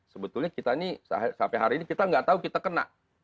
sebetulnya kita ini sampai hari ini kita nggak tahu kita kena